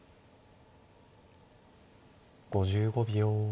５５秒。